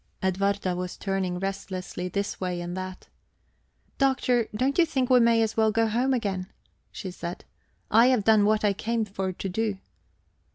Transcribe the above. Edwarda was turning restlessly this way and that. "Doctor, don't you think we may as well go home again?" she said. "I have done what I came for to do."